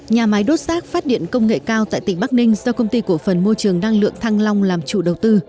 nhà máy đốt xác phát điện công nghệ cao tại tỉnh bắc ninh do công ty cổ phần môi trường năng lượng thăng long làm chủ đầu tư